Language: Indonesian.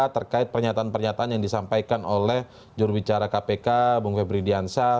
terkait pernyataan pernyataan yang disampaikan oleh jurubicara kpk bung febri diansyah